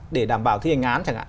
để đảm bảo thi hành án